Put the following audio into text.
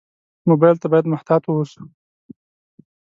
موبایل ته باید محتاط ووسو.